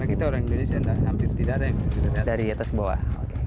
karena kita orang indonesia hampir tidak ada yang berasal dari atas ke bawah